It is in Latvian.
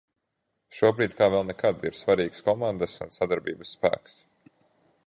Šobrīd, kā vēl nekad, ir svarīgs komandas un sadarbības spēks!